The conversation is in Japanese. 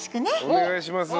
お願いします。